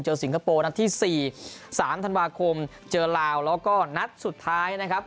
สิงคโปร์นัดที่๔๓ธันวาคมเจอลาวแล้วก็นัดสุดท้ายนะครับ